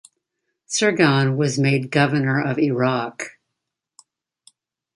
Surgan was made governor of Iraq.